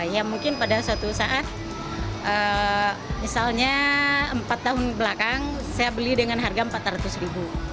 ya mungkin pada suatu saat misalnya empat tahun belakang saya beli dengan harga rp empat ratus